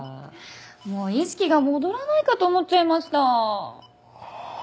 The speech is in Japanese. もう意識が戻らないかと思っちゃいました。